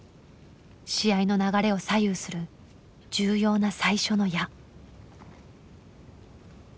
試合の流れを左右する重要な最初の矢。